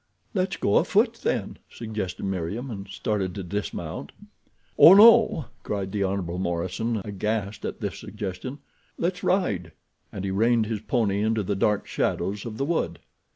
"Let's go a foot then," suggested Meriem, and started to dismount. "Oh, no," cried the Hon. Morison, aghast at this suggestion. "Let's ride," and he reined his pony into the dark shadows of the wood.